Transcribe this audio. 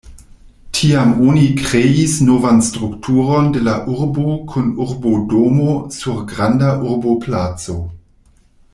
Tiam oni kreis novan strukturon de la urbo kun urbodomo sur granda urboplaco.